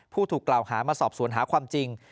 ผู้ถูกกล่าวหามาสอบสวนหาความจริง